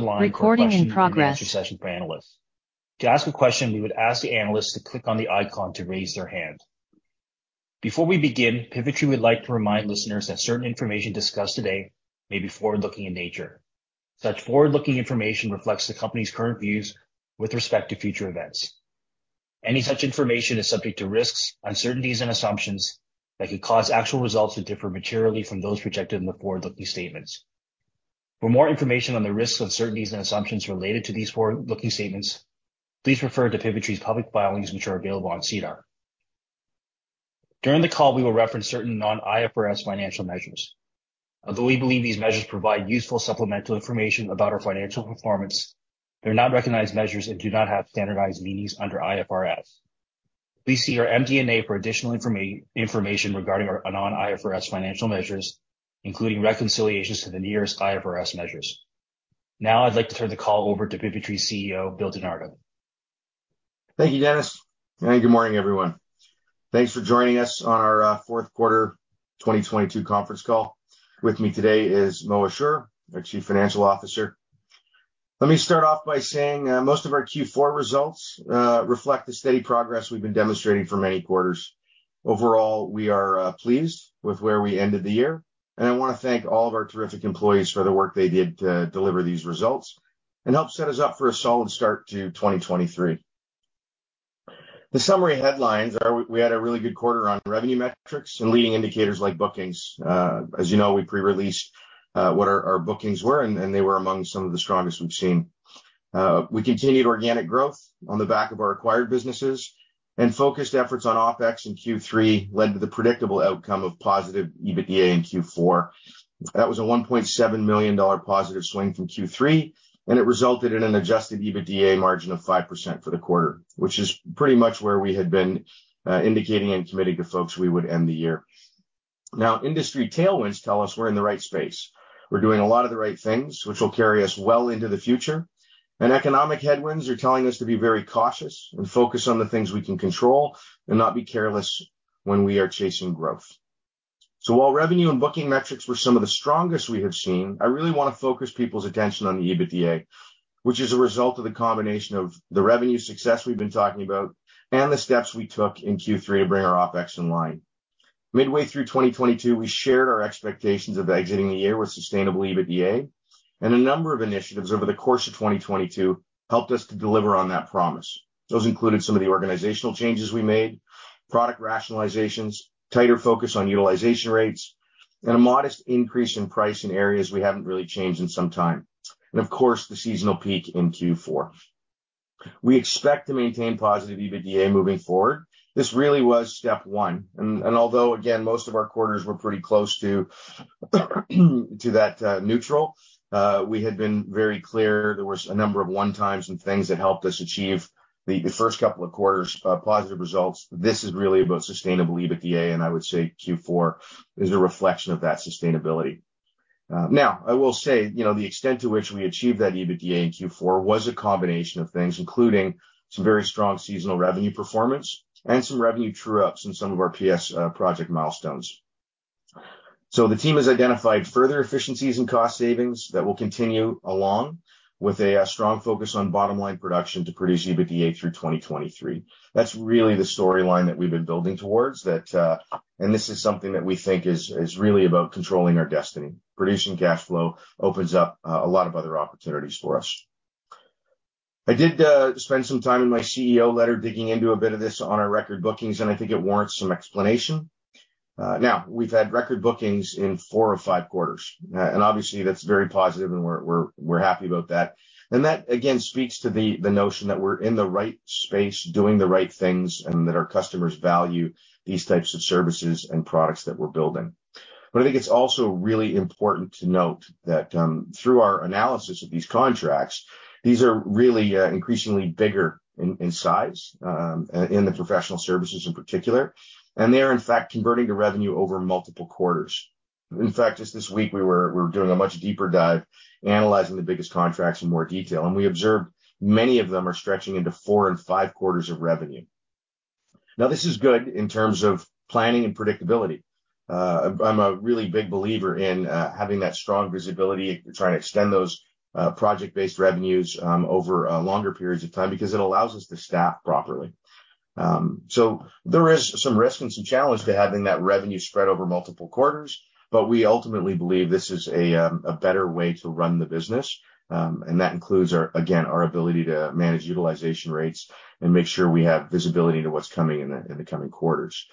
To ask a question, we would ask the analyst to click on the icon to raise their hand. Before we begin, Pivotree would like to remind listeners that certain information discussed today may be forward-looking in nature. Such forward-looking information reflects the company's current views with respect to future events. Any such information is subject to risks, uncertainties, and assumptions that could cause actual results to differ materially from those projected in the forward-looking statements. For more information on the risks, uncertainties, and assumptions related to these forward-looking statements, please refer to Pivotree's public filings, which are available on SEDAR. During the call, we will reference certain non-IFRS financial measures. Although we believe these measures provide useful supplemental information about our financial performance, they're not recognized measures and do not have standardized meanings under IFRS. Please see our MD&A for additional information regarding our non-IFRS financial measures, including reconciliations to the nearest IFRS measures. I'd like to turn the call over to Pivotree CEO, Bill Di Nardo. Thank you, Dennis. Good morning, everyone. Thanks for joining us on our Fourth Quarter 2022 Conference Call. With me today is Mo Ashoor, our Chief Financial Officer. Let me start off by saying most of our Q4 results reflect the steady progress we've been demonstrating for many quarters. Overall, we are pleased with where we ended the year, and I wanna thank all of our terrific employees for the work they did to deliver these results and help set us up for a solid start to 2023. The summary headlines are, we had a really good quarter on revenue metrics and leading indicators like bookings. As you know, we pre-released what our bookings were, and they were among some of the strongest we've seen. We continued organic growth on the back of our acquired businesses and focused efforts on OpEx in Q-three led to the predictable outcome of positive EBITDA in Q4. That was a $1.7 million positive swing from Q3, and it resulted in an adjusted EBITDA margin of 5% for the quarter, which is pretty much where we had been indicating and committing to folks we would end the year. Now, industry tailwinds tell us we're in the right space. We're doing a lot of the right things, which will carry us well into the future. Economic headwinds are telling us to be very cautious and focus on the things we can control and not be careless when we are chasing growth. While revenue and booking metrics were some of the strongest we have seen, I really wanna focus people's attention on the EBITDA, which is a result of the combination of the revenue success we've been talking about and the steps we took in Q3 to bring our OpEx in line. Midway through 2022, we shared our expectations of exiting the year with sustainable EBITDA, and a number of initiatives over the course of 2022 helped us to deliver on that promise. Those included some of the organizational changes we made, product rationalizations, tighter focus on utilization rates, and a modest increase in price in areas we haven't really changed in some time. Of course, the seasonal peak in Q4. We expect to maintain positive EBITDA moving forward. This really was step one. Although, again, most of our quarters were pretty close to that neutral, we had been very clear there was a number of 1x and things that helped us achieve the first couple of quarters' positive results. This is really about sustainable EBITDA, and I would say Q4 is a reflection of that sustainability. Now, I will say, you know, the extent to which we achieved that EBITDA in Q4 was a combination of things, including some very strong seasonal revenue performance and some revenue true-ups in some of our PS project milestones. The team has identified further efficiencies and cost savings that will continue along with a strong focus on bottom line production to produce EBITDA through 2023. That's really the storyline that we've been building towards that. This is something that we think is really about controlling our destiny. Producing cash flow opens up a lot of other opportunities for us. I did spend some time in my CEO letter digging into a bit of this on our record bookings, and I think it warrants some explanation. Now, we've had record bookings in four or five quarters. Obviously, that's very positive, and we're happy about that. That, again, speaks to the notion that we're in the right space doing the right things, and that our customers value these types of services and products that we're building. I think it's also really important to note that, through our analysis of these contracts, these are really increasingly bigger in size in the professional services in particular, and they are, in fact, converting to revenue over multiple quarters. In fact, just this week, we're doing a much deeper dive, analyzing the biggest contracts in more detail, and we observed many of them are stretching into four and five quarters of revenue. This is good in terms of planning and predictability. I'm a really big believer in having that strong visibility. We're trying to extend those project-based revenues over longer periods of time because it allows us to staff properly. There is some risk and some challenge to having that revenue spread over multiple quarters, but we ultimately believe this is a better way to run the business. That includes our, again, our ability to manage utilization rates and make sure we have visibility to what's coming in the coming quarters.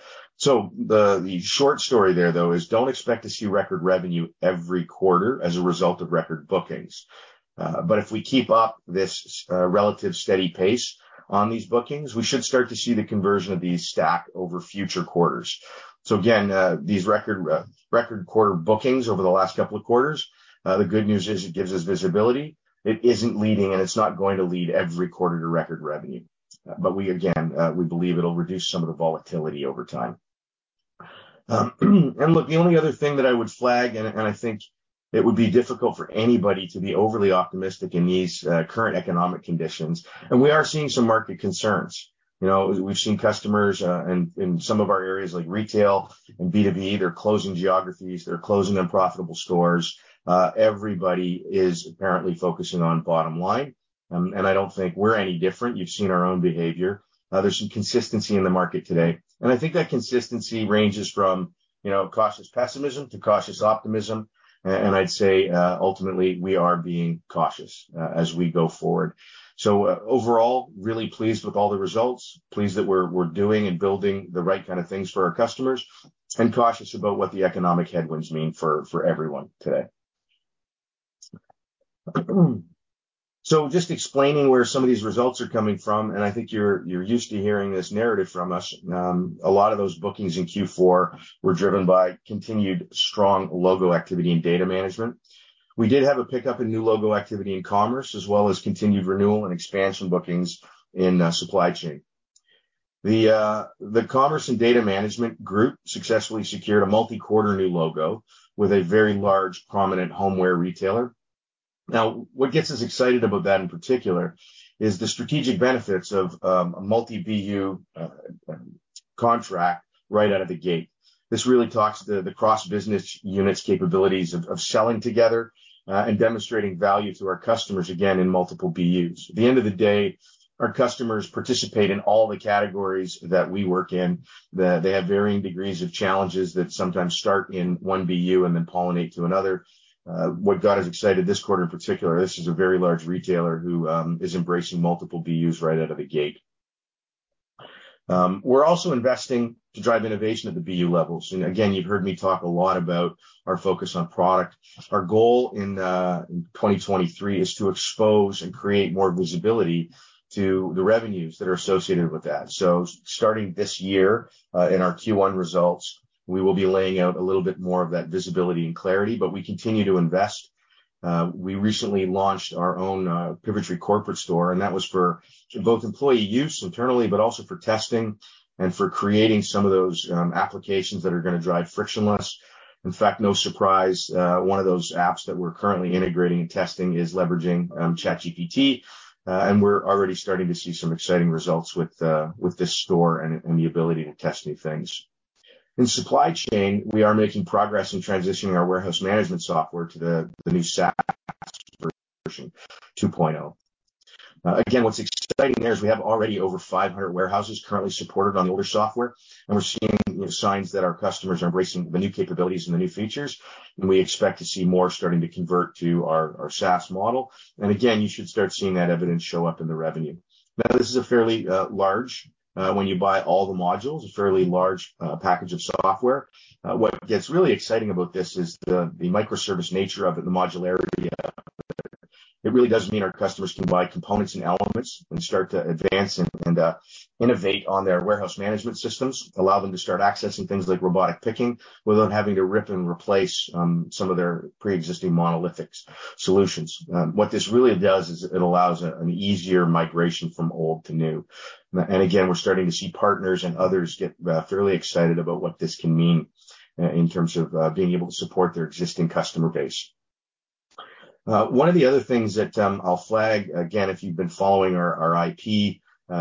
The short story there, though, is don't expect to see record revenue every quarter as a result of record bookings. If we keep up this relative steady pace on these bookings, we should start to see the conversion of these stack over future quarters. Again, these record quarter bookings over the last couple of quarters, the good news is it gives us visibility. It isn't leading, and it's not going to lead every quarter to record revenue. We again, we believe it'll reduce some of the volatility over time. Look, the only other thing that I would flag, and I think it would be difficult for anybody to be overly optimistic in these current economic conditions, and we are seeing some market concerns. You know, we've seen customers in some of our areas like retail and B2B, they're closing geographies, they're closing unprofitable stores. Everybody is apparently focusing on bottom line, and I don't think we're any different. You've seen our own behavior. There's some consistency in the market today, and I think that consistency ranges from, you know, cautious pessimism to cautious optimism. I'd say, ultimately, we are being cautious as we go forward. Overall, really pleased with all the results, pleased that we're doing and building the right kind of things for our customers, and cautious about what the economic headwinds mean for everyone today. Just explaining where some of these results are coming from, and I think you're used to hearing this narrative from us, a lot of those bookings in Q4 were driven by continued strong logo activity and data management. We did have a pickup in new logo activity in commerce, as well as continued renewal and expansion bookings in supply chain. The commerce and data management group successfully secured a multi-quarter new logo with a very large prominent homeware retailer. What gets us excited about that in particular is the strategic benefits of a multi-BU contract right out of the gate. This really talks to the cross-business units capabilities of selling together and demonstrating value to our customers, again, in multiple BUs. At the end of the day, our customers participate in all the categories that we work in, that they have varying degrees of challenges that sometimes start in one BU and then pollinate to another. What got us excited this quarter in particular, this is a very large retailer who is embracing multiple BUs right out of the gate. We're also investing to drive innovation at the BU levels. Again, you've heard me talk a lot about our focus on product. Our goal in 2023 is to expose and create more visibility to the revenues that are associated with that. Starting this year, in our Q1 results, we will be laying out a little bit more of that visibility and clarity, but we continue to invest. We recently launched our own, Pivotree corporate store, and that was for both employee use internally, but also for testing and for creating some of those applications that are gonna drive frictionless. In fact, no surprise, one of those apps that we're currently integrating and testing is leveraging ChatGPT, and we're already starting to see some exciting results with, with this store and the ability to test new things. In supply chain, we are making progress in transitioning our warehouse management software to the new SaaS version 2.0. Again, what's exciting there is we have already over 500 warehouses currently supported on the older software, and we're seeing signs that our customers are embracing the new capabilities and the new features, and we expect to see more starting to convert to our SaaS model. Again, you should start seeing that evidence show up in the revenue. This is a fairly large, when you buy all the modules, a fairly large package of software. What gets really exciting about this is the microservice nature of it and the modularity of it. It really does mean our customers can buy components and elements and start to advance and innovate on their warehouse management systems, allow them to start accessing things like robotic picking without having to rip and replace some of their preexisting monolithic solutions. What this really does is it allows an easier migration from old to new. Again, we're starting to see partners and others get fairly excited about what this can mean in terms of being able to support their existing customer base. One of the other things that I'll flag, again, if you've been following our IP,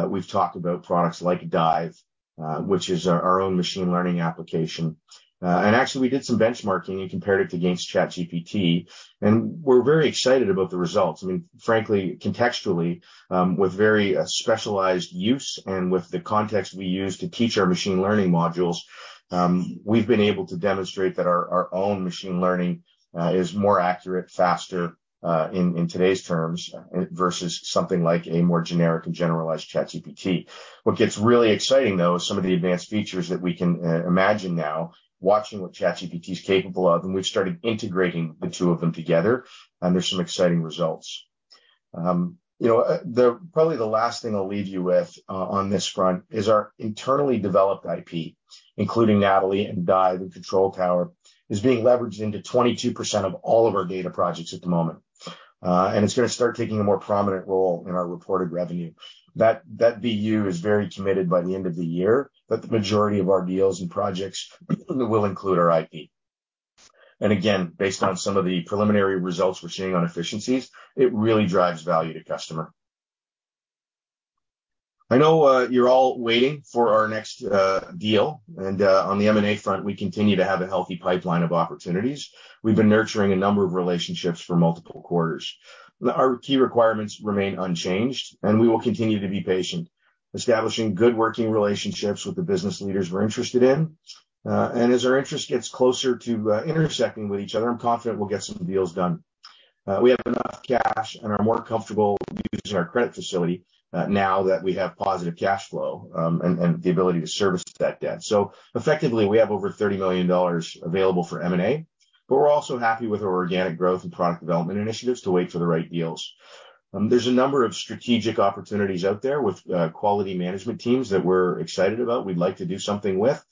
we've talked about products like DIVE, which is our own machine learning application. Actually, we did some benchmarking and compared it against ChatGPT, and we're very excited about the results. I mean, frankly, contextually, with very specialized use and with the context we use to teach our machine learning modules, we've been able to demonstrate that our own machine learning, is more accurate, faster, in today's terms versus something like a more generic and generalized ChatGPT. What gets really exciting, though, is some of the advanced features that we can imagine now watching what ChatGPT is capable of, and we've started integrating the two of them together, and there's some exciting results. You know, probably the last thing I'll leave you with on this front is our internally developed IP, including Natalie and DIVE and Control Tower, is being leveraged into 22% of all of our data projects at the moment. It's gonna start taking a more prominent role in our reported revenue. That BU is very committed by the end of the year that the majority of our deals and projects will include our IP. Again, based on some of the preliminary results we're seeing on efficiencies, it really drives value to customer. I know, you're all waiting for our next deal, and on the M&A front, we continue to have a healthy pipeline of opportunities. We've been nurturing a number of relationships for multiple quarters. Our key requirements remain unchanged, and we will continue to be patient, establishing good working relationships with the business leaders we're interested in. As our interest gets closer to intersecting with each other, I'm confident we'll get some deals done. We have enough cash and are more comfortable using our credit facility, now that we have positive cash flow, and the ability to service that debt. Effectively, we have over $30 million available for M&A, but we're also happy with our organic growth and product development initiatives to wait for the right deals. There's a number of strategic opportunities out there with quality management teams that we're excited about, we'd like to do something with.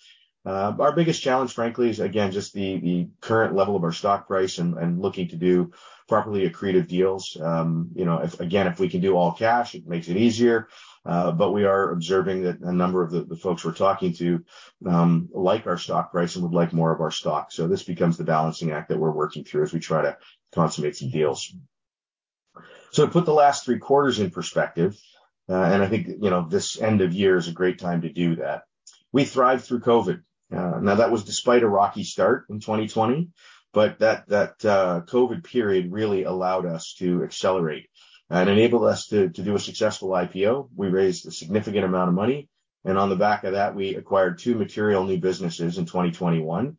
Our biggest challenge frankly is again, just the current level of our stock price and looking to do properly accretive deals. You know, if again, if we can do all cash, it makes it easier. We are observing that a number of the folks we're talking to, like our stock price and would like more of our stock. This becomes the balancing act that we're working through as we try to consummate some deals. To put the last three quarters in perspective, and I think, you know, this end of year is a great time to do that. We thrived through COVID. Now that was despite a rocky start in 2020, but that COVID period really allowed us to accelerate and enabled us to do a successful IPO. We raised a significant amount of money, and on the back of that, we acquired two material new businesses in 2021.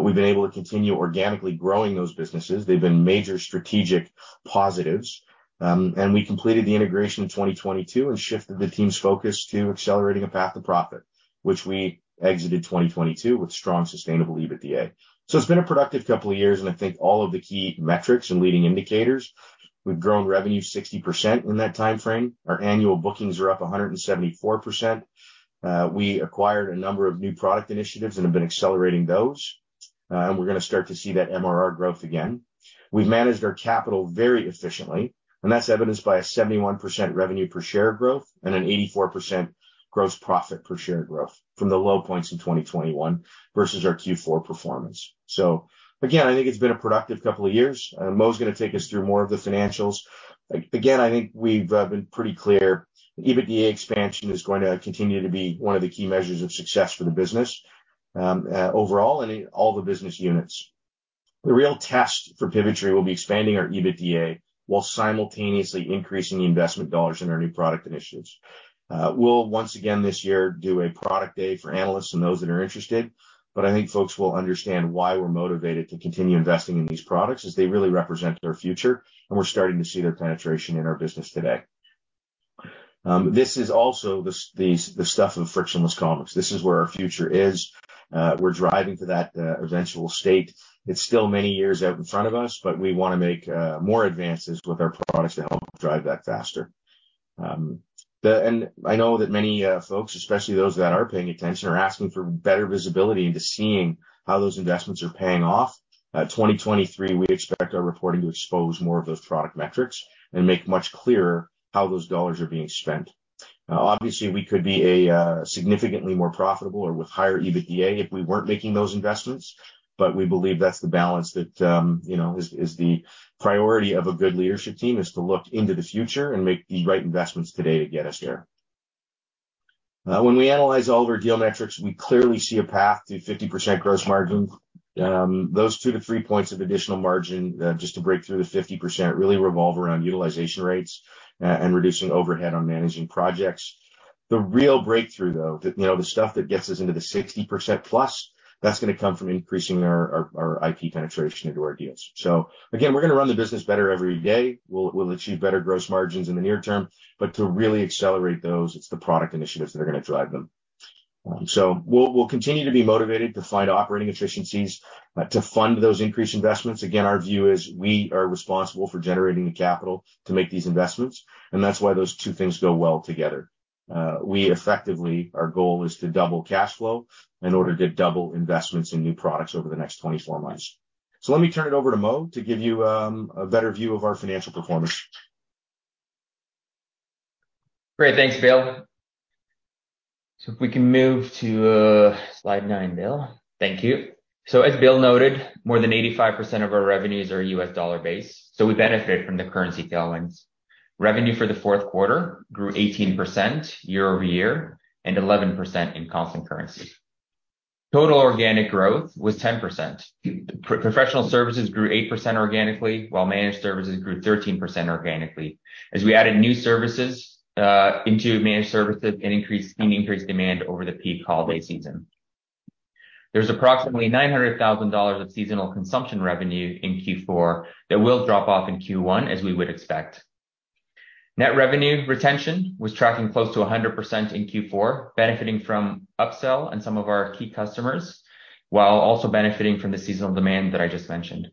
We've been able to continue organically growing those businesses. They've been major strategic positives. We completed the integration in 2022 and shifted the team's focus to accelerating a path to profit, which we exited 2022 with strong, sustainable EBITDA. It's been a productive couple of years, and I think all of the key metrics and leading indicators, we've grown revenue 60% in that timeframe. Our annual bookings are up 174%. We acquired a number of new product initiatives and have been accelerating those. We're gonna start to see that MRR growth again. We've managed our capital very efficiently, and that's evidenced by a 71% revenue per share growth and an 84% gross profit per share growth from the low points in 2021 versus our Q4 performance. Again, I think it's been a productive couple of years. Mo's gonna take us through more of the financials. Again, I think we've been pretty clear. EBITDA expansion is going to continue to be one of the key measures of success for the business overall in all the business units. The real test for Pivotree will be expanding our EBITDA while simultaneously increasing the investment dollars in our new product initiatives. We'll once again this year do a product day for analysts and those that are interested, but I think folks will understand why we're motivated to continue investing in these products, as they really represent their future, and we're starting to see their penetration in our business today. This is also the stuff of frictionless commerce. This is where our future is. We're driving to that eventual state. It's still many years out in front of us, but we wanna make more advances with our products to help drive that faster. The. I know that many folks, especially those that are paying attention, are asking for better visibility into seeing how those investments are paying off. 2023, we expect our reporting to expose more of those product metrics and make much clearer how those dollars are being spent. Obviously, we could be significantly more profitable or with higher EBITDA if we weren't making those investments. We believe that's the balance that, you know, is the priority of a good leadership team, is to look into the future and make the right investments today to get us there. When we analyze all of our deal metrics, we clearly see a path to 50% gross margin. Those two-three points of additional margin, just to break through the 50%, really revolve around utilization rates, and reducing overhead on managing projects. The real breakthrough, though, the, you know, the stuff that gets us into the 60%+ that's gonna come from increasing our IP penetration into our deals. Again, we're gonna run the business better every day. We'll achieve better gross margins in the near term, but to really accelerate those, it's the product initiatives that are gonna drive them. We'll continue to be motivated to find operating efficiencies to fund those increased investments. Again, our view is we are responsible for generating the capital to make these investments, and that's why those two things go well together. We effectively, our goal is to double cash flow in order to double investments in new products over the next 24 months. Let me turn it over to Mo to give you a better view of our financial performance. Great. Thanks, Bill. If we can move to slide nine, Bill. Thank you. As Bill noted, more than 85% of our revenues are US dollar base, so we benefit from the currency tailwinds. Revenue for the fourth quarter grew 18% year-over-year and 11% in constant currency. Total organic growth was 10%. Professional services grew 8% organically, while managed services grew 13% organically as we added new services into managed services and seeing increased demand over the peak holiday season. There's approximately $900,000 of seasonal consumption revenue in Q4 that will drop off in Q1, as we would expect. Net revenue retention was tracking close to 100% in Q4, benefiting from upsell in some of our key customers, while also benefiting from the seasonal demand that I just mentioned.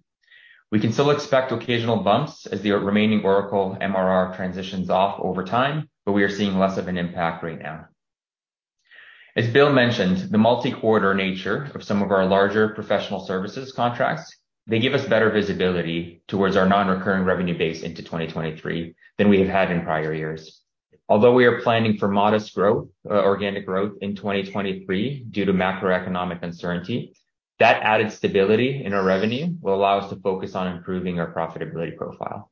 We can still expect occasional bumps as the remaining Oracle MRR transitions off over time, but we are seeing less of an impact right now. As Bill mentioned, the multi-quarter nature of some of our larger professional services contracts, they give us better visibility towards our non-recurring revenue base into 2023 than we have had in prior years. Although we are planning for modest growth, organic growth in 2023 due to macroeconomic uncertainty, that added stability in our revenue will allow us to focus on improving our profitability profile.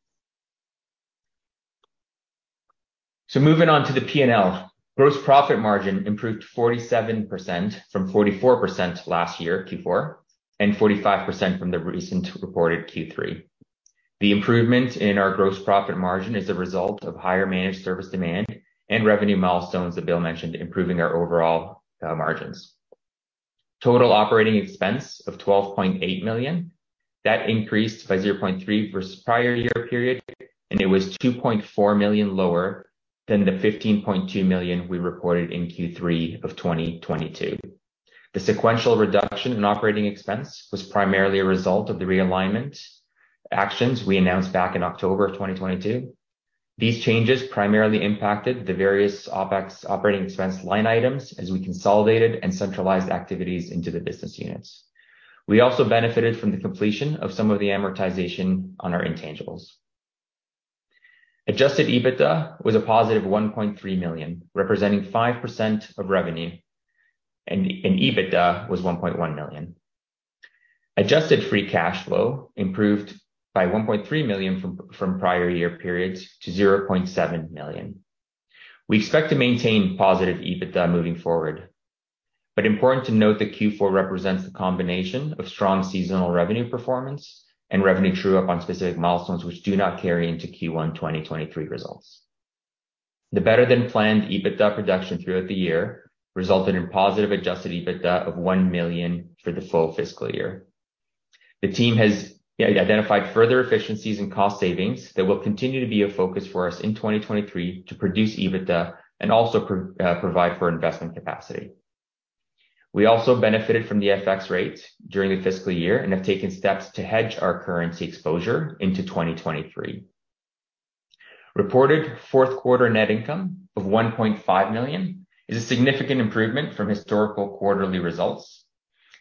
Moving on to the P&L. Gross profit margin improved 47% from 44% last year, Q4, and 45% from the recent reported Q3. The improvement in our gross profit margin is a result of higher managed service demand and revenue milestones that Bill mentioned, improving our overall margins. Total operating expense of 12.8 million, that increased by 0.3 million versus prior year period, and it was 2.4 million lower than the 15.2 million we reported in Q3 of 2022. The sequential reduction in operating expense was primarily a result of the realignment actions we announced back in October of 2022. These changes primarily impacted the various OpEx operating expense line items as we consolidated and centralized activities into the business units. We also benefited from the completion of some of the amortization on our intangibles. Adjusted EBITDA was a positive 1.3 million, representing 5% of revenue, and EBITDA was 1.1 million. Adjusted free cash flow improved by 1.3 million from prior year periods to 0.7 million. We expect to maintain positive EBITDA moving forward. Important to note that Q4 represents the combination of strong seasonal revenue performance and revenue true up on specific milestones which do not carry into Q1, 2023 results. The better-than-planned EBITDA production throughout the year resulted in positive adjusted EBITDA of 1 million for the full fiscal year. The team has identified further efficiencies and cost savings that will continue to be a focus for us in 2023 to produce EBITDA and also provide for investment capacity. We also benefited from the FX rates during the fiscal year and have taken steps to hedge our currency exposure into 2023. Reported fourth quarter net income of 1.5 million is a significant improvement from historical quarterly results.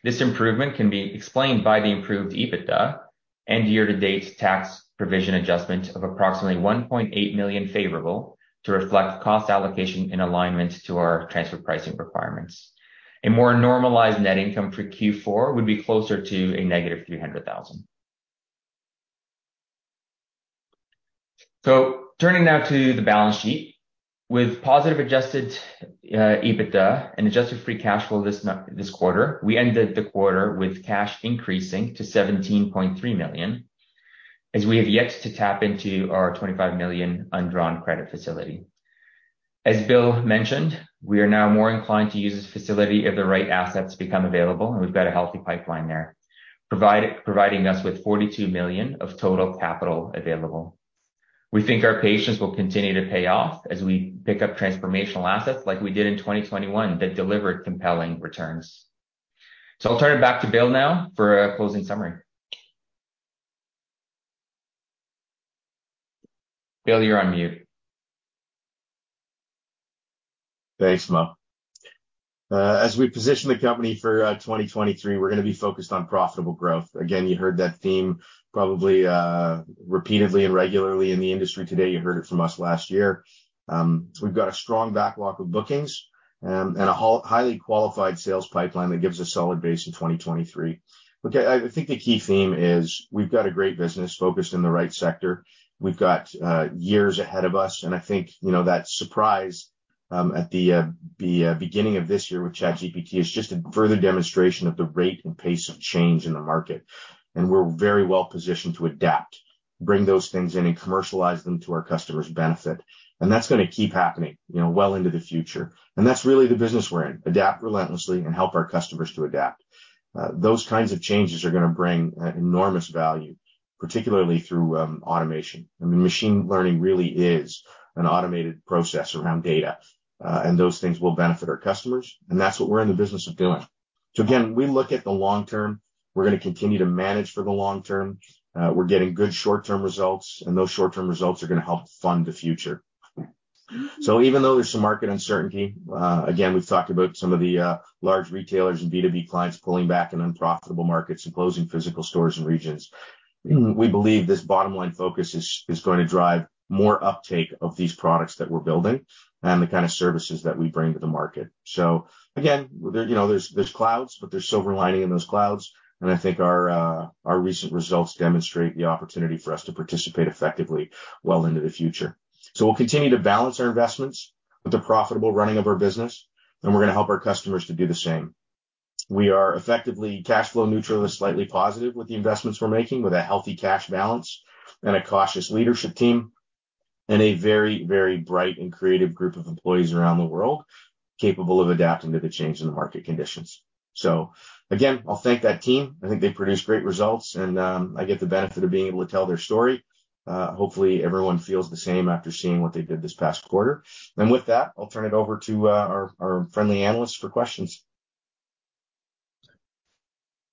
This improvement can be explained by the improved EBITDA and year-to-date tax provision adjustment of approximately 1.8 million favorable to reflect cost allocation and alignment to our transfer pricing requirements. A more normalized net income for Q4 would be closer to a -300,000. Turning now to the balance sheet. With positive adjusted EBITDA and adjusted free cash flow this quarter, we ended the quarter with cash increasing to 17.3 million, as we have yet to tap into our 25 million undrawn credit facility. As Bill mentioned, we are now more inclined to use this facility if the right assets become available, and we've got a healthy pipeline there. Providing us with 42 million of total capital available. We think our patience will continue to pay off as we pick up transformational assets like we did in 2021 that delivered compelling returns. I'll turn it back to Bill now for a closing summary. Bill, you're on mute. Thanks, Mo. As we position the company for 2023, we're gonna be focused on profitable growth. Again, you heard that theme probably repeatedly and regularly in the industry today. You heard it from us last year. We've got a strong backlog of bookings and a highly qualified sales pipeline that gives us solid base in 2023. Look, I think the key theme is we've got a great business focused in the right sector. We've got years ahead of us, and I think, you know, that surprise at the beginning of this year with ChatGPT is just a further demonstration of the rate and pace of change in the market. We're very well positioned to adapt, bring those things in, and commercialize them to our customers' benefit. That's gonna keep happening, you know, well into the future. That's really the business we're in, adapt relentlessly and help our customers to adapt. Those kinds of changes are gonna bring enormous value, particularly through automation. I mean, machine learning really is an automated process around data, and those things will benefit our customers, and that's what we're in the business of doing. Again, we look at the long term. We're gonna continue to manage for the long term. We're getting good short-term results, and those short-term results are gonna help fund the future. Even though there's some market uncertainty, again, we've talked about some of the large retailers and B2B clients pulling back in unprofitable markets and closing physical stores and regions. We believe this bottom line focus is gonna drive more uptake of these products that we're building and the kind of services that we bring to the market. Again, there, you know, there's clouds, but there's silver lining in those clouds, and I think our recent results demonstrate the opportunity for us to participate effectively well into the future. We'll continue to balance our investments with the profitable running of our business, and we're gonna help our customers to do the same. We are effectively cash flow neutral to slightly positive with the investments we're making, with a healthy cash balance and a cautious leadership team, and a very bright and creative group of employees around the world capable of adapting to the change in the market conditions. Again, I'll thank that team. I think they produce great results and I get the benefit of being able to tell their story. Hopefully everyone feels the same after seeing what they did this past quarter. With that, I'll turn it over to our friendly analysts for questions.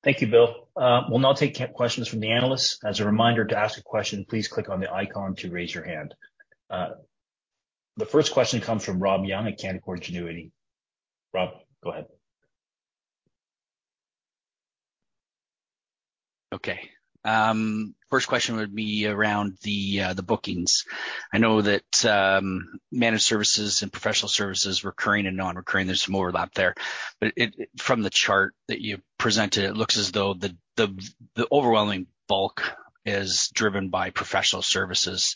Thank you, Bill. We'll now take questions from the analysts. As a reminder, to ask a question, please click on the icon to raise your hand. The first question comes from Rob Young at Canaccord Genuity. Rob, go ahead. First question would be around the bookings. I know that managed services and professional services, recurring and non-recurring, there's some overlap there. From the chart that you presented, it looks as though the overwhelming bulk is driven by professional services.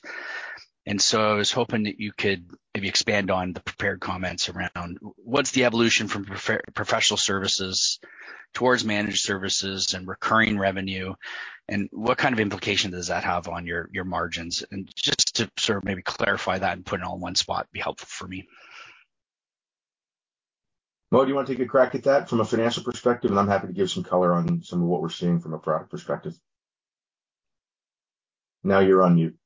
I was hoping that you could maybe expand on the prepared comments around what's the evolution from professional services towards managed services and recurring revenue, and what kind of implication does that have on your margins? Just to sort of maybe clarify that and put it all in one spot would be helpful for me. Mo, do you wanna take a crack at that from a financial perspective, and I'm happy to give some color on some of what we're seeing from a product perspective. Now you're on mute.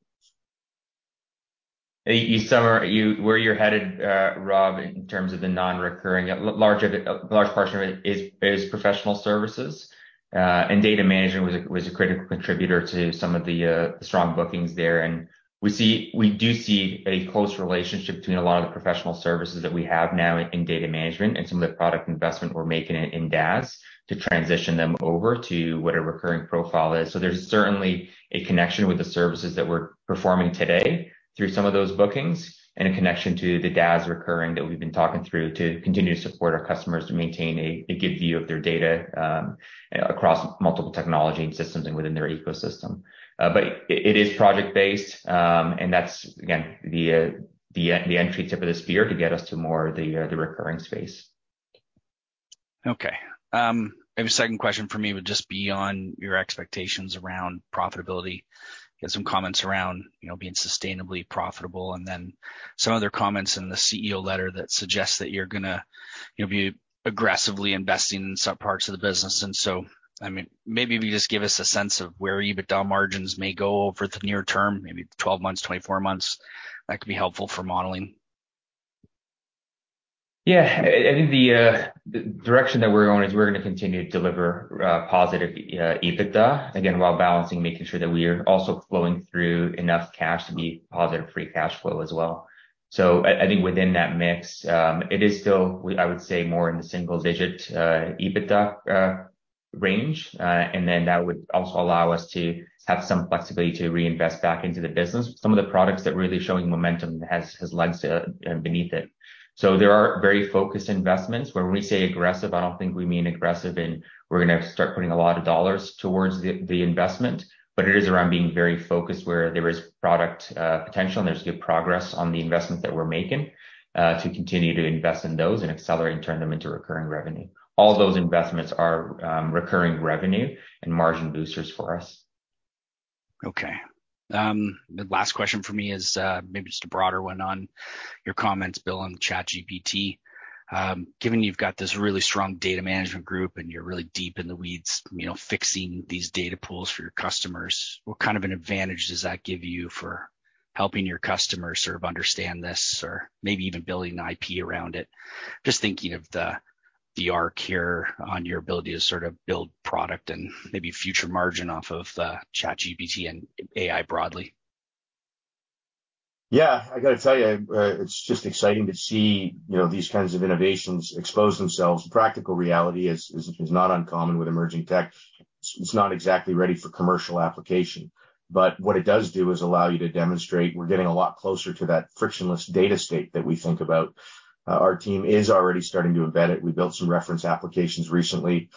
where you're headed, Rob, in terms of the non-recurring, a large of it, a large portion of it is professional services, and data management was a critical contributor to some of the strong bookings there. We do see a close relationship between a lot of the professional services that we have now in data management and some of the product investment we're making in DaaS to transition them over to what a recurring profile is. There's certainly a connection with the services that we're performing today through some of those bookings and a connection to the DaaS recurring that we've been talking through to continue to support our customers to maintain a good view of their data across multiple technology and systems and within their ecosystem. It is project-based, and that's again the entry tip of the spear to get us to more of the recurring space. Okay. Maybe second question for me would just be on your expectations around profitability. Get some comments around, you know, being sustainably profitable and then some other comments in the CEO letter that suggests that you'll be aggressively investing in some parts of the business. I mean, maybe if you just give us a sense of where EBITDA margins may go over the near term, maybe 12 months, 24 months, that could be helpful for modeling. Yeah. I think the direction that we're going is we're gonna continue to deliver positive EBITDA, again, while balancing making sure that we are also flowing through enough cash to be positive free cash flow as well. I think within that mix, it is still I would say more in the single digit EBITDA range. That would also allow us to have some flexibility to reinvest back into the business. Some of the products that really showing momentum has legs beneath it. There are very focused investments. When we say aggressive, I don't think we mean aggressive in we're gonna start putting a lot of dollars towards the investment. It is around being very focused where there is product potential and there's good progress on the investments that we're making to continue to invest in those and accelerate and turn them into recurring revenue. All those investments are recurring revenue and margin boosters for us. Okay. The last question from me is, maybe just a broader one on your comments, Bill, on ChatGPT. Given you've got this really strong data management group, and you're really deep in the weeds, you know, fixing these data pools for your customers, what kind of an advantage does that give you for helping your customers sort of understand this or maybe even building an IP around it? Just thinking of the arc here on your ability to sort of build product and maybe future margin off of ChatGPT and AI broadly. Yeah. I gotta tell you, it's just exciting to see, you know, these kinds of innovations expose themselves. Practical reality is not uncommon with emerging tech. It's not exactly ready for commercial application. What it does do is allow you to demonstrate we're getting a lot closer to that frictionless data state that we think about. Our team is already starting to embed it. We built some reference applications recently.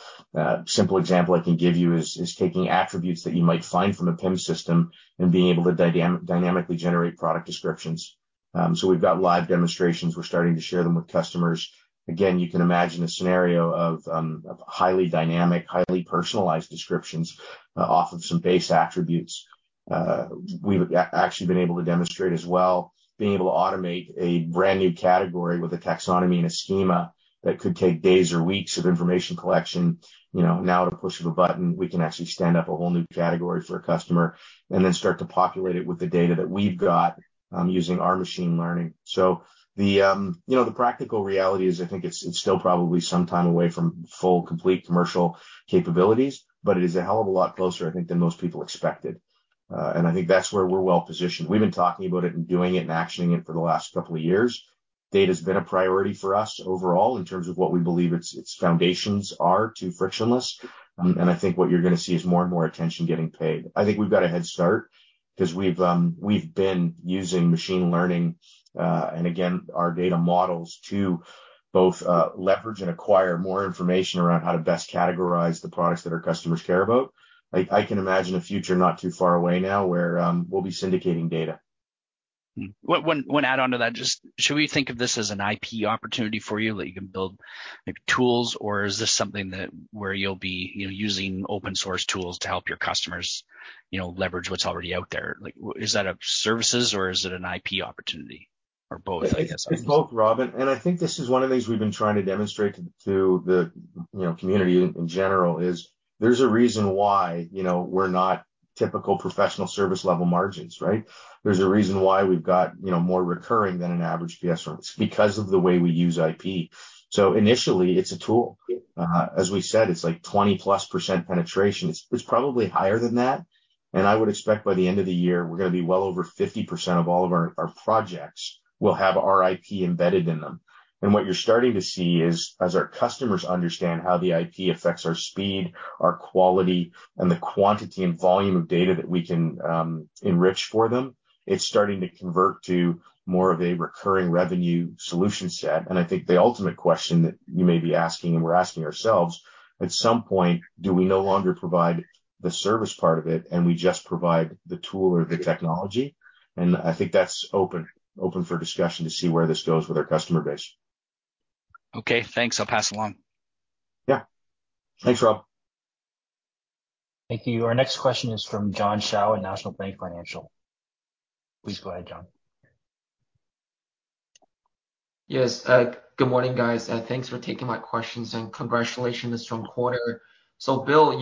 Simple example I can give you is taking attributes that you might find from a PIM system and being able to dynamically generate product descriptions. We've got live demonstrations. We're starting to share them with customers. Again, you can imagine a scenario of highly dynamic, highly personalized descriptions, off of some base attributes. we've actually been able to demonstrate as well being able to automate a brand-new category with a taxonomy and a schema that could take days or weeks of information collection. You know, now at a push of a button, we can actually stand up a whole new category for a customer and then start to populate it with the data that we've got, using our machine learning. The, you know, the practical reality is I think it's still probably some time away from full, complete commercial capabilities, but it is a hell of a lot closer, I think, than most people expected. And I think that's where we're well positioned. We've been talking about it and doing it and actioning it for the last couple of years. Data's been a priority for us overall in terms of what we believe its foundations are to frictionless. I think what you're gonna see is more and more attention getting paid. I think we've got a head start 'cause we've been using machine learning, and again, our data models to both leverage and acquire more information around how to best categorize the products that our customers care about. I can imagine a future not too far away now where we'll be syndicating data. One add on to that. Just should we think of this as an IP opportunity for you that you can build like tools, or is this something that where you'll be, you know, using open-source tools to help your customers, you know, leverage what's already out there? Like, is that a services or is it an IP opportunity or both, I guess? It's both, Rob. I think this is one of the things we've been trying to demonstrate to the, you know, community in general is there's a reason why, you know, we're not typical professional service level margins, right? There's a reason why we've got, you know, more recurring than an average PS service. Because of the way we use IP. Initially, it's a tool. As we said, it's like 20%+ penetration. It's probably higher than that. I would expect by the end of the year, we're gonna be well over 50% of all of our projects will have our IP embedded in them. What you're starting to see is as our customers understand how the IP affects our speed, our quality, and the quantity and volume of data that we can enrich for them, it's starting to convert to more of a recurring revenue solution set. I think the ultimate question that you may be asking and we're asking ourselves, at some point, do we no longer provide the service part of it, and we just provide the tool or the technology? I think that's open for discussion to see where this goes with our customer base. Okay, thanks. I'll pass along. Yeah. Thanks, Rob. Thank you. Our next question is from John Shao at National Bank Financial. Please go ahead, John. Yes. Good morning, guys. Thanks for taking my questions. Congratulations on the strong quarter. Bill,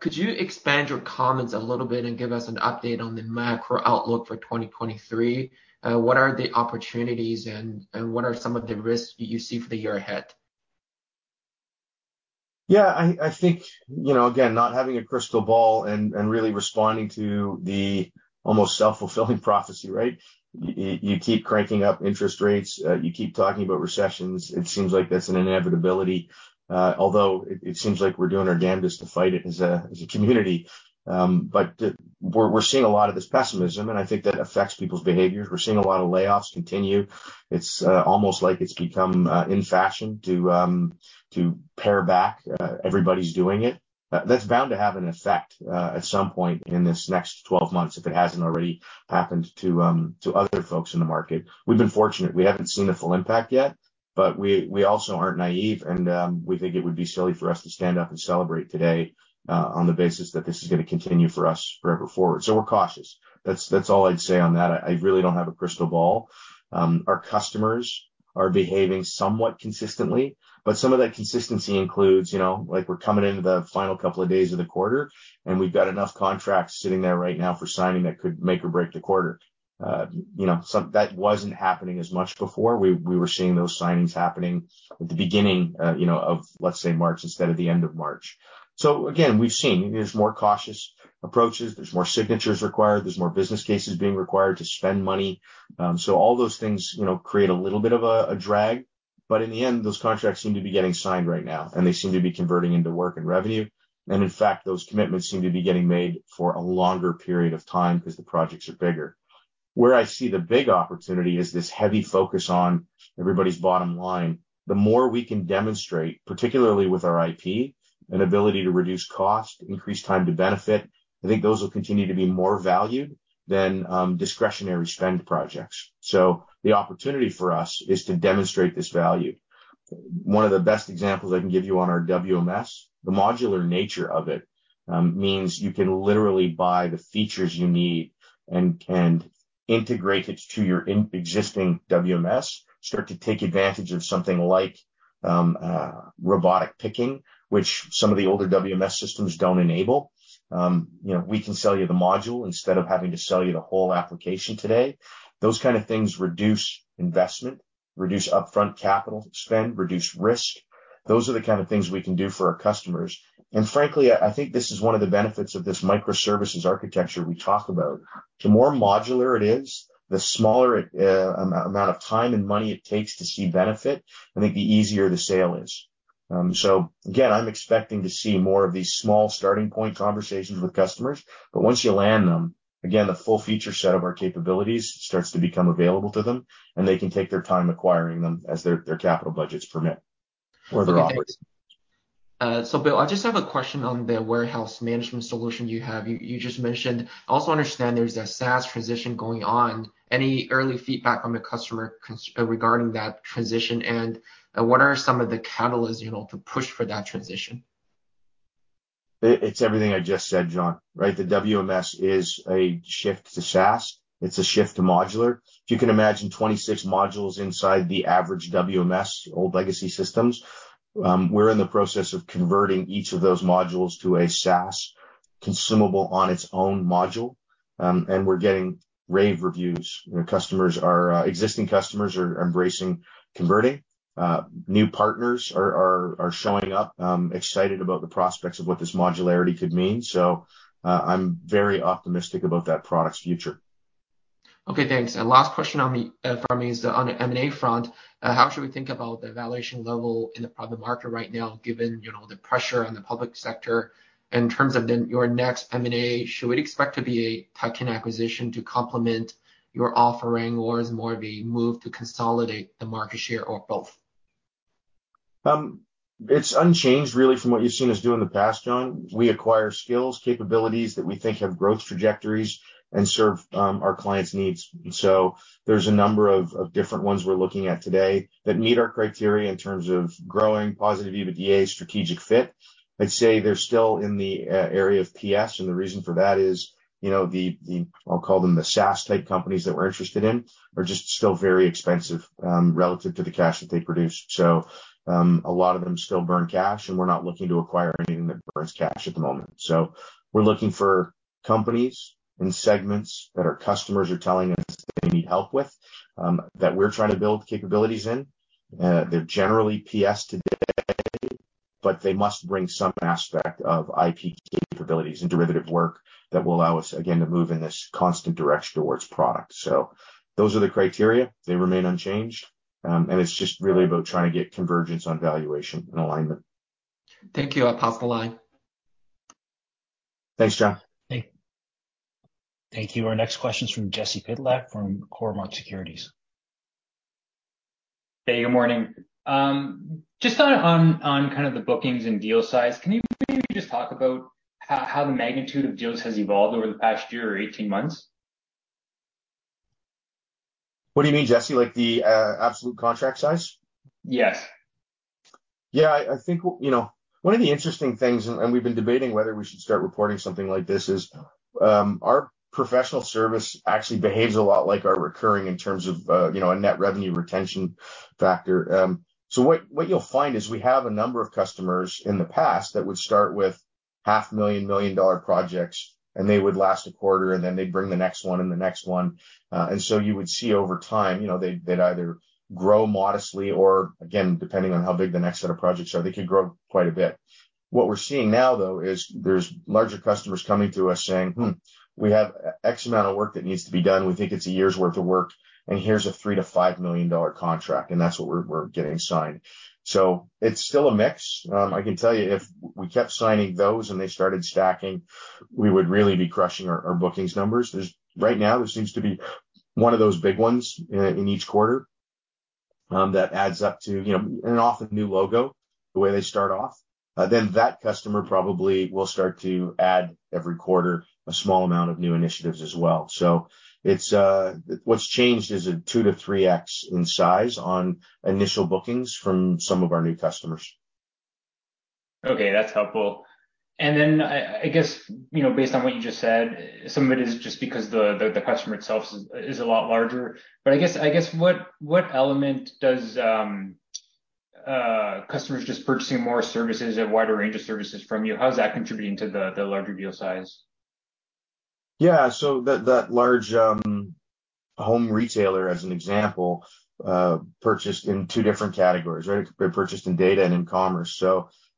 could you expand your comments a little bit and give us an update on the macro-outlook for 2023? What are the opportunities and what are some of the risks you see for the year ahead? Yeah. I think, you know, again, not having a crystal ball and really responding to the almost self-fulfilling prophecy, right? You keep cranking up interest rates, you keep talking about recessions. It seems like that's an inevitability, although it seems like we're doing our damnedest to fight it as a community. We're seeing a lot of this pessimism, and I think that affects people's behaviors. We're seeing a lot of layoffs continue. It's almost like it's become in fashion to pare back. Everybody's doing it. That's bound to have an effect at some point in this next 12 months if it hasn't already happened to other folks in the market. We've been fortunate. We haven't seen the full impact yet. We also aren't naive and we think it would be silly for us to stand up and celebrate today on the basis that this is gonna continue for us forever forward. We're cautious. That's all I'd say on that. I really don't have a crystal ball. Our customers are behaving somewhat consistently, but some of that consistency includes, you know, like we're coming into the final couple of days of the quarter, and we've got enough contracts sitting there right now for signing that could make or break the quarter. You know, that wasn't happening as much before. We were seeing those signings happening at the beginning, you know, of, let's say, March instead of the end of March. Again, we've seen there's more cautious approaches, there's more signatures required, there's more business cases being required to spend money. All those things, you know, create a little bit of a drag. In the end, those contracts seem to be getting signed right now, and they seem to be converting into work and revenue. In fact, those commitments seem to be getting made for a longer period of time cause the projects are bigger. Where I see the big opportunity is this heavy focus on everybody's bottom line. The more we can demonstrate, particularly with our IP and ability to reduce cost, increase time to benefit, I think those will continue to be more valued than discretionary spend projects. The opportunity for us is to demonstrate this value. One of the best examples I can give you on our WMS, the modular nature of it, means you can literally buy the features you need and integrate it to your existing WMS, start to take advantage of something like robotic picking, which some of the older WMS systems don't enable. You know, we can sell you the module instead of having to sell you the whole application today. Those kind of things reduce investment, reduce upfront capital spend, reduce risk. Those are the kind of things we can do for our customers. Frankly, I think this is one of the benefits of this microservices architecture we talk about. The more modular it is, the smaller it amount of time and money it takes to see benefit, I think the easier the sale is. Again, I'm expecting to see more of these small starting point conversations with customers. Once you land them, again, the full feature set of our capabilities starts to become available to them. They can take their time acquiring them as their capital budgets permit or their operations. Bill, I just have a question on the warehouse management solution you have. You just mentioned also understand there's a SaaS transition going on. Any early feedback from the customer regarding that transition? What are some of the catalysts, you know, to push for that transition? It's everything I just said, John, right? The WMS is a shift to SaaS. It's a shift to modular. If you can imagine 26 modules inside the average WMS, old legacy systems, we're in the process of converting each of those modules to a SaaS consumable on its own module. We're getting rave reviews. You know, existing customers are embracing converting. New partners are showing up, excited about the prospects of what this modularity could mean. I'm very optimistic about that product's future. Okay, thanks. Last question from me is on the M&A front. How should we think about the valuation level in the market right now, given, you know, the pressure on the public sector? In terms of your next M&A, should we expect to be a type 10 acquisition to complement your offering, or is more of a move to consolidate the market share or both? It's unchanged really from what you've seen us do in the past, John. We acquire skills, capabilities that we think have growth trajectories and serve our clients' needs. There's a number of different ones we're looking at today that meet our criteria in terms of growing positive EBITDA strategic fit. I'd say they're still in the area of PS. The reason for that is, you know, the I'll call them the SaaS type companies that we're interested in, are just still very expensive relative to the cash that they produce. A lot of them still burn cash, and we're not looking to acquire anything that burns cash at the moment. We're looking for companies and segments that our customers are telling us they need help with, that we're trying to build capabilities in. They're generally PS today, they must bring some aspect of IP capabilities and derivative work that will allow us, again, to move in this constant direction towards product. Those are the criteria. They remain unchanged. It's just really about trying to get convergence on valuation and alignment. Thank you. I'll pass the line. Thanks, John. Thank you. Thank you. Our next question is from Jesse Pytlak from Cormark Securities. Good morning. Just on kind of the bookings and deal size, can you maybe just talk about how the magnitude of deals has evolved over the past year or 18 months? What do you mean, Jesse? Like the absolute contract size? Yes. I think, you know, one of the interesting things, and we've been debating whether we should start reporting something like this, is our professional service actually behaves a lot like our recurring in terms of, you know, a net revenue retention factor. What you'll find is we have a number of customers in the past that would start with $500,000 projects, and they would last a quarter, and then they'd bring the next one and the next one. You would see over time, you know, they'd either grow modestly or, again, depending on how big the next set of projects are, they could grow quite a bit. What we're seeing now, though, is there's larger customers coming to us saying, "Hmm, we have ex amount of work that needs to be done. We think it's a year's worth of work, here's a $3 million-$5 million contract," and that's what we're getting signed. It's still a mix. I can tell you if we kept signing those and they started stacking, we would really be crushing our bookings numbers. Right now there seems to be one of those big ones in each quarter that adds up to, you know, an often new logo. The way they start off, that customer probably will start to add every quarter a small amount of new initiatives as well. It's what's changed is a 2x-3x in size on initial bookings from some of our new customers. Okay, that's helpful. I guess, you know, based on what you just said, some of it is just because the customer itself is a lot larger. I guess what element does customers just purchasing more services, a wider range of services from you, how is that contributing to the larger deal size? The, that large home retailer, as an example, purchased in two different categories, right? They purchased in data and in commerce.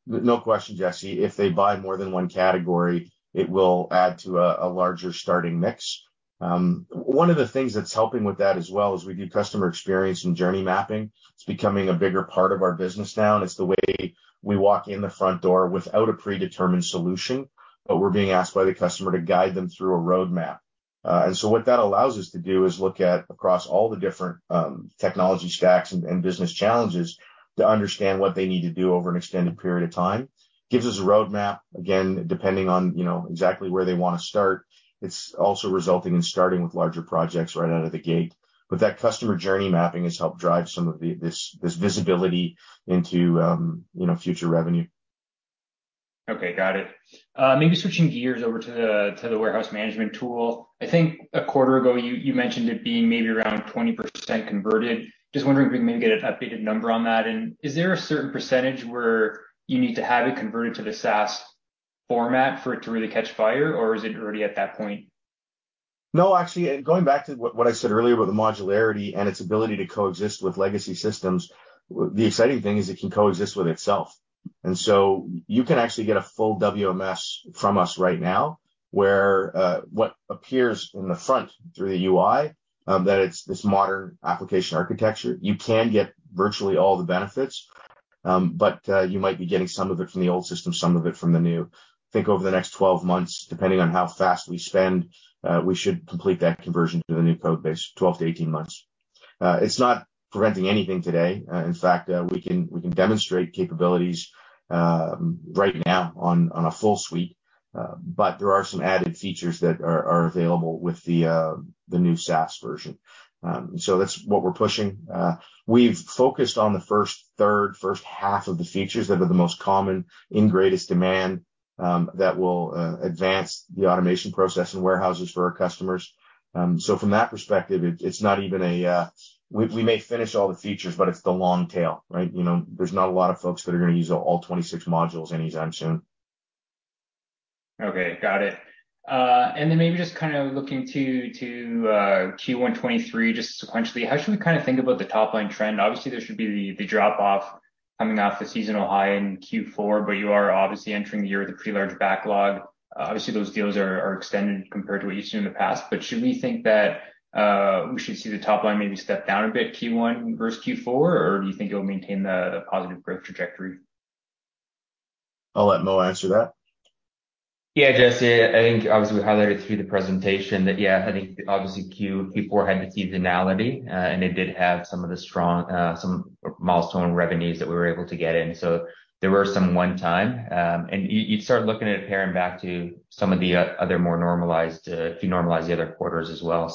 No question, Jesse, if they buy more than one category, it will add to a larger starting mix. One of the things that's helping with that as well is we do customer experience and journey mapping. It's becoming a bigger part of our business now, and it's the way we walk in the front door without a predetermined solution, but we're being asked by the customer to guide them through a roadmap. What that allows us to do is look at across all the different technology stacks and business challenges to understand what they need to do over an extended period of time. Gives us a roadmap, again, depending on, you know, exactly where they wanna start. It's also resulting in starting with larger projects right out of the gate. That customer journey mapping has helped drive some of this visibility into, you know, future revenue. Okay, got it. Maybe switching gears over to the warehouse management tool. I think a quarter ago you mentioned it being maybe around 20% converted. Just wondering if we can maybe get an updated number on that. Is there a certain percentage where you need to have it converted to the SaaS format for it to really catch fire, or is it already at that point? No, actually, going back to what I said earlier about the modularity and its ability to coexist with legacy systems, the exciting thing is it can coexist with itself. You can actually get a full WMS from us right now where what appears in the front through the UI that it's this modern application architecture. You can get virtually all the benefits, but you might be getting some of it from the old system, some of it from the new. I think over the next 12 months, depending on how fast we spend, we should complete that conversion to the new code base, 12-18 months. It's not preventing anything today. In fact, we can demonstrate capabilities right now on a full suite, but there are some added features that are available with the new SaaS version. That's what we're pushing. We've focused on the 1/3, 1/2 of the features that are the most common, in greatest demand, that will advance the automation process in warehouses for our customers. From that perspective, it's not even a. We may finish all the features, but it's the long tail, right? You know, there's not a lot of folks that are gonna use all 26 modules anytime soon. Okay, got it. Maybe just kinda looking to Q1 2023, just sequentially, how should we kinda think about the top-line trend? Obviously, there should be the drop-off coming off the seasonal high in Q4, you are obviously entering the year with a pretty large backlog. Obviously, those deals are extended compared to what you've seen in the past. Should we think that we should see the top line maybe step down a bit Q1 versus Q4, or do you think it'll maintain the positive growth trajectory? I'll let Mo answer that. Jesse, I think obviously we highlighted through the presentation that I think obviously Q4 had the seasonality, and it did have some of the strong, some milestone revenues that we were able to get in. There were some one-time, and you start looking at it pairing back to some of the other more normalized, if you normalize the other quarters as well.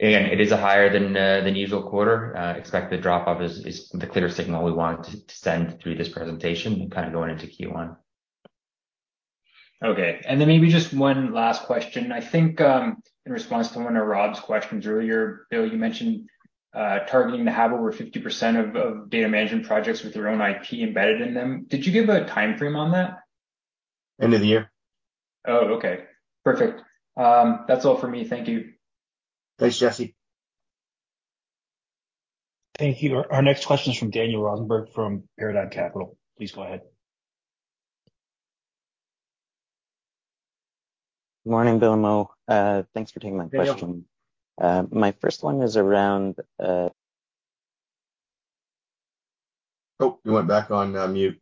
Again, it is a higher than usual quarter. Expect the drop-off is the clear signal we wanted to send through this presentation kind of going into Q1. Okay. Maybe just one last question. I think, in response to one of Rob's questions earlier, Bill, you mentioned targeting to have over 50% of data management projects with their own IP embedded in them. Did you give a timeframe on that? End of the year. Oh, okay. Perfect. That's all for me. Thank you. Thanks, Jesse. Thank you. Our next question is from Daniel Rosenberg from Paradigm Capital. Please go ahead. Morning, Bill and Mo. Thanks for taking my question. Daniel. My first one is around. Oh, you went back on mute.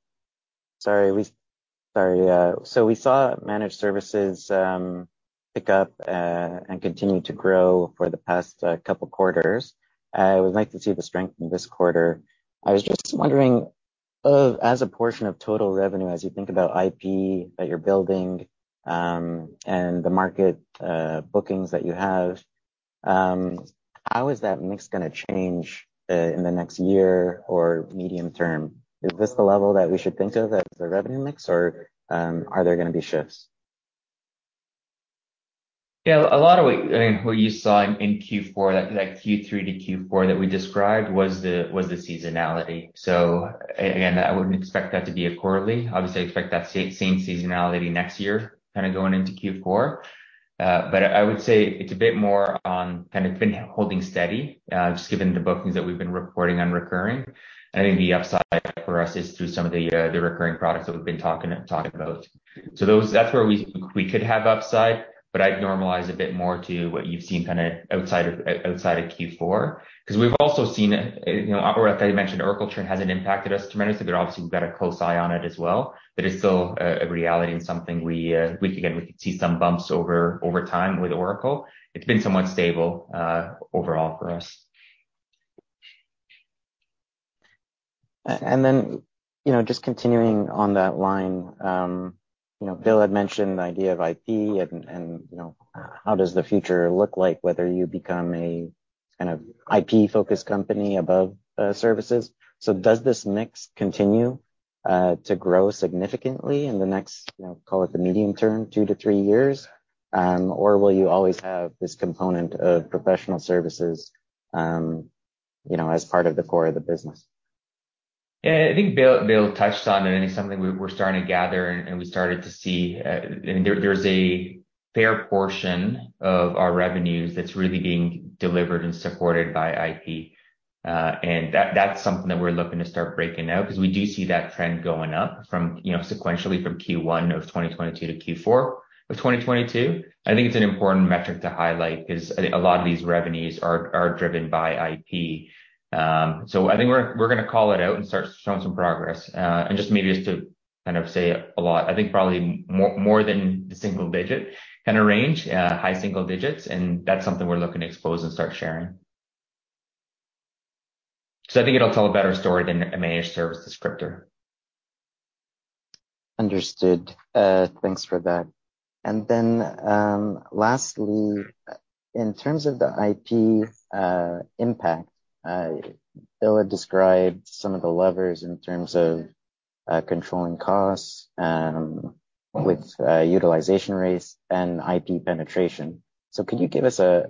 Sorry. Sorry, we saw managed services pick up and continue to grow for the past couple quarters. We'd like to see the strength in this quarter. I was just wondering as a portion of total revenue, as you think about IP that you're building, and the market, bookings that you have, how is that mix gonna change in the next year or medium term? Is this the level that we should think of as the revenue mix, or, are there gonna be shifts? A lot of what, I mean, what you saw in Q4, that, like Q3 to Q4 that we described was the seasonality. Again, I wouldn't expect that to be a quarterly. Obviously, I expect that same seasonality next year kind of going into Q4. I would say it's a bit more on kind of been holding steady, just given the bookings that we've been reporting on recurring. I think the upside for us is through some of the recurring products that we've been talking about. That's where we could have upside, but I'd normalize a bit more to what you've seen kind of outside of Q4. Cause we've also seen, you know, as I mentioned, Oracle trend hasn't impacted us tremendously, but obviously we've got a close eye on it as well. It's still a reality and something we again, we could see some bumps over time with Oracle. It's been somewhat stable overall for us. Then, you know, just continuing on that line, you know, Bill had mentioned the idea of IP and, you know, how does the future look like whether you become a kind of IP-focused company above services. Does this mix continue to grow significantly in the next, you know, call it the medium term, two-three years? Or will you always have this component of professional services, you know, as part of the core of the business? I think Bill touched on it, and it's something we're starting to gather and we started to see. There's a fair portion of our revenues that's really being delivered and supported by IP. That's something that we're looking to start breaking out because we do see that trend going up from, you know, sequentially from Q1 of 2022 to Q4 of 2022. I think it's an important metric to highlight because I think a lot of these revenues are driven by IP. I think we're gonna call it out and start showing some progress. Just maybe just to kind of say a lot, I think probably more than the single-digit kind of range. High single digits, that's something we're looking to expose and start sharing. I think it'll tell a better story than a managed service descriptor. Understood. Thanks for that. Lastly, in terms of the IP impact, Bill had described some of the levers in terms of controlling costs with utilization rates and IP penetration. Could you give us a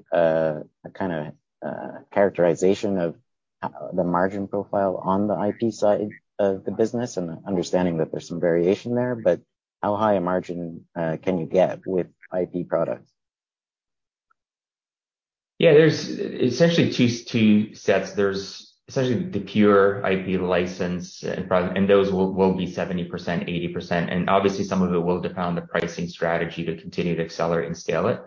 kind of characterization of how the margin profile on the IP side of the business and understanding that there's some variation there, but how high a margin can you get with IP products? Yeah. There's essentially two sets. There's essentially the pure IP license and product, those will be 70%, 80%. Obviously, some of it will depend on the pricing strategy to continue to accelerate and scale it.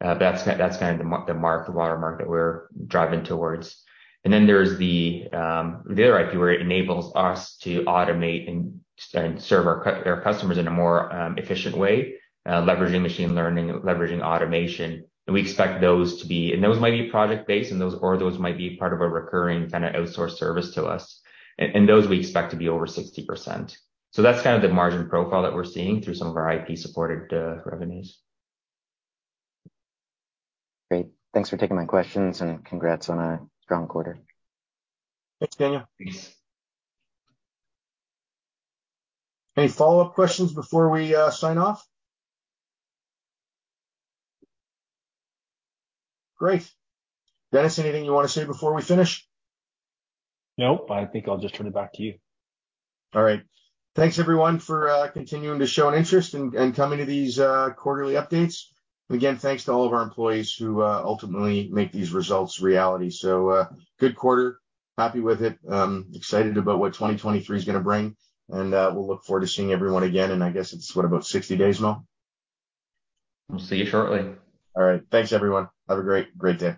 That's kind of the watermark that we're driving towards. Then there's the other IP where it enables us to automate and serve our customers in a more efficient way, leveraging machine learning, leveraging automation. We expect those to be. Those might be project-based, or those might be part of a recurring kind of outsourced service to us. Those we expect to be over 60%. That's kind of the margin profile that we're seeing through some of our IP-supported revenues. Great. Thanks for taking my questions. Congrats on a strong quarter. Thanks, Daniel. Thanks. Any follow-up questions before we sign off? Great. Dennis, anything you wanna say before we finish? Nope. I think I'll just turn it back to you. All right. Thanks everyone for continuing to show an interest and coming to these quarterly updates. Thanks to all of our employees who ultimately make these results reality. Good quarter. Happy with it. Excited about what 2023 is gonna bring. We'll look forward to seeing everyone again. I guess it's what? About 60 days, Mo? We'll see you shortly. All right. Thanks, everyone. Have a great day.